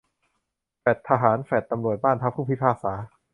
แฟลตทหาร แฟลตตำรวจ บ้านพักผู้พิพากษา